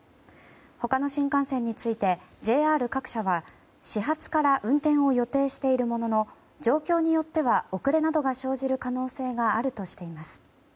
ほかの新幹線についてＪＲ各社は始発から運転を予定しているものの状況によっては遅れなどが生じる可能性があるとしています。